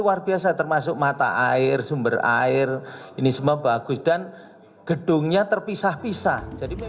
luar biasa termasuk mata air sumber air ini semua bagus dan gedungnya terpisah pisah